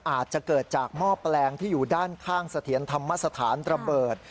อาจจะเกิดจากหม้อแปลงที่อยู่ด้านข้างเสถียรธรรมสถานระเบิด